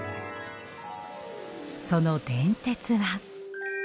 その伝説は。